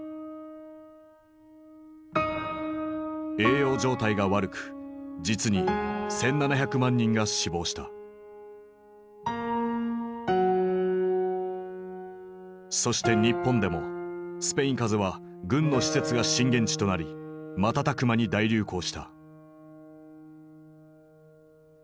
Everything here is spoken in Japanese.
栄養状態が悪く実にそして日本でもスペイン風邪は軍の施設が震源地となり瞬く間に大流行した。